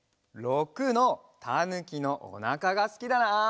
６のたぬきのおなかがすきだな。